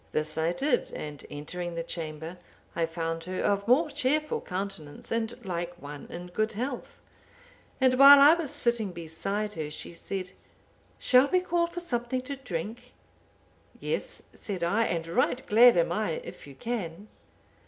This I did, and entering the chamber, I found her of more cheerful countenance, and like one in good health. And while I was sitting beside her, she said, 'Shall we call for something to drink?'—'Yes,' said I, 'and right glad am I, if you can.